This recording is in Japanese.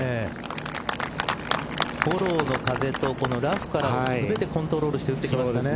フォローの風とラフからの全てコントロールして打ってきましたね。